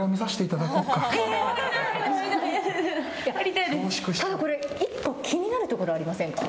ただこれ１個気になるところありませんか？